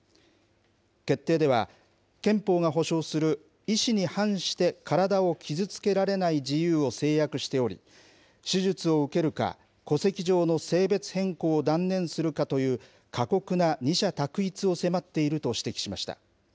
決定では、憲法が保障する意思に反して体を傷つけられない自由を制約しており、手術を受けるか、戸籍上の性別変更を断念するかという、過酷な二者択一を迫っていると指摘しました。